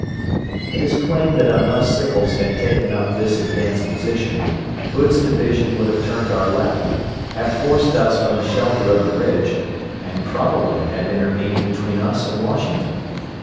It is claimed that unless Sickles had taken up this advanced position Hood's division would have turned our left, have forced us from the shelter of the ridge, and probably have intervened between us and Washington.